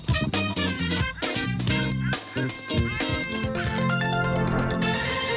โปรดติดตามตอนต่อไป